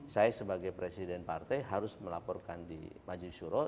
saya sebagai presiden partai harus melaporkan di majlis syuroh